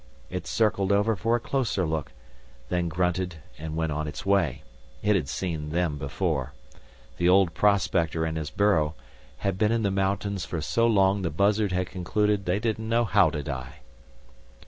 It circled over for a closer look, then grunted and went on its way. It had seen them before. The old prospector and his burro had been in the mountains for so long the buzzard had concluded they didn't know how to die.